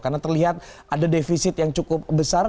karena terlihat ada defisit yang cukup besar